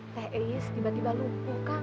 teh eis tiba tiba lupa kang